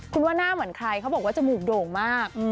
คุณว่าหน้าเหมือนใครเขาบอกว่าจมูกโด่งมาก